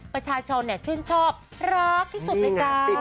ประชาชนชื่นชอบรักที่สุดเลยจ้า